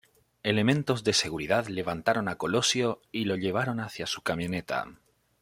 Elementos de seguridad levantaron a Colosio y lo llevaron hacia su camioneta.